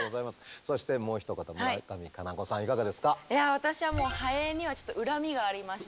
私はもうハエにはちょっと恨みがありまして。